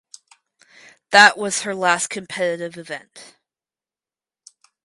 That was her last competitive event.